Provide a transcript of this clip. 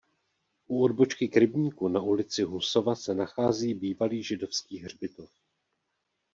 U odbočky k rybníku na ulici Husova se nachází bývalý židovský hřbitov.